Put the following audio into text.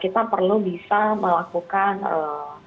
kita perlu bisa melakukan ee